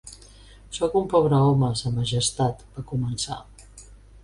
"Soc un pobre home, sa Majestat", va començar.